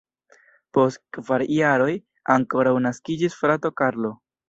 Post kvar jaroj ankoraŭ naskiĝis frato Karlo.